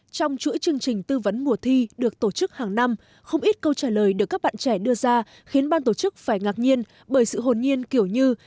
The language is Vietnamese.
trong chuỗi chương trình tư vấn mùa thi được tổ chức hàng năm không ít câu trả lời được các bạn trẻ đưa ra khiến ban tổ chức phải ngạc nhiên bởi sự hồn nhiên kiểu như